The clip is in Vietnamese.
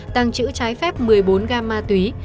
tàng trữ trái phép một mươi bốn kg ma túy